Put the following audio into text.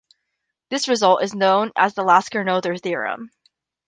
This result is known as the Lasker-Noether theorem.